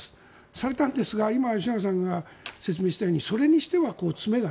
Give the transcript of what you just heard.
されたんですが今、吉永さんが説明したようにそれにしては、詰めが。